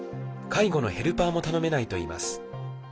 介護のヘルパーも頼めないといいます。